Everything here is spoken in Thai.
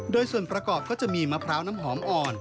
โดยส่วนประกอบก็จะมีมะพร้าวน้ำหอมอ่อน